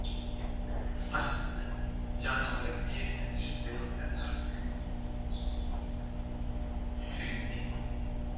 At janawerem eýesine düşüp derwezä tarap süýndi.